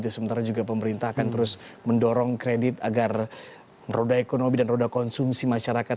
sementara juga pemerintah akan terus mendorong kredit agar roda ekonomi dan roda konsumsi masyarakat